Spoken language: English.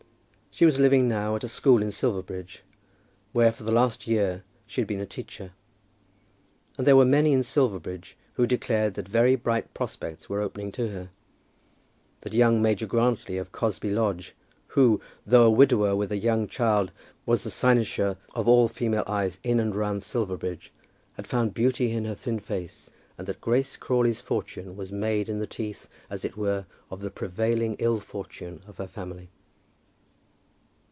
She was living now at a school in Silverbridge, where for the last year she had been a teacher; and there were many in Silverbridge who declared that very bright prospects were opening to her, that young Major Grantly of Cosby Lodge, who, though a widower with a young child, was the cynosure of all female eyes in and round Silverbridge, had found beauty in her thin face, and that Grace Crawley's fortune was made in the teeth, as it were, of the prevailing ill fortune of her family.